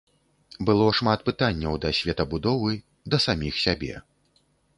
Было шмат пытанняў да светабудовы, да саміх сябе.